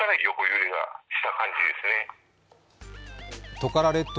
トカラ列島